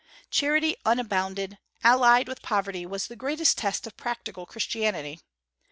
Charity unbounded, allied with poverty, was the great test of practical Christianity.